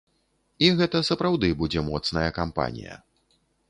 І гэта сапраўды будзе моцная кампанія.